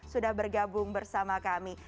sudah bergabung bersama kami